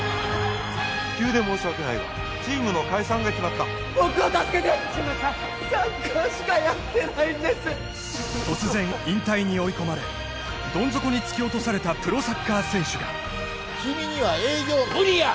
急で申し訳ないがチームの解散が決まった僕を助けてサッカーしかやってないんです突然引退に追い込まれどん底に突き落とされたプロサッカー選手が君には営業無理や！